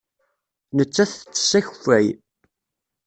Nettat tettess akeffay.